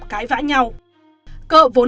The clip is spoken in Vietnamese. cái vã nhau cợ vốn